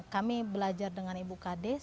kami belajar dengan ibu kades